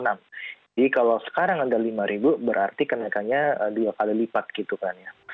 jadi kalau sekarang ada lima berarti kenakannya dua kali lipat gitu kan ya